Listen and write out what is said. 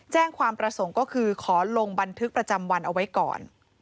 แจ้งความประสงค์ก็คือขอลงบันทึกประจำวันเอาไว้ก่อน